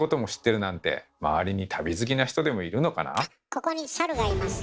ここにサルがいますよ。